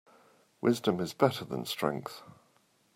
Wisdom is better than strength.